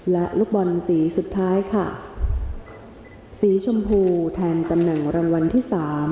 และลูกบอลสีสุดท้ายค่ะสีชมพูแทนตำแหน่งรางวัลที่สาม